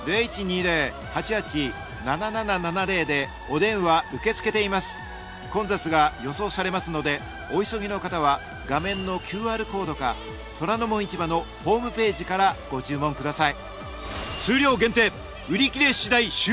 なんと衝撃の破格値混雑が予想されますのでお急ぎの方は画面のＱＲコードか『虎ノ門市場』のホームページからご注文ください